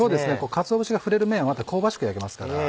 かつお節が触れる面はまた香ばしく焼けますから。